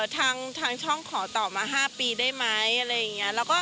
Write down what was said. ทางช่องขอตอบมา๕ปีได้ไหมอะไรอย่างนี้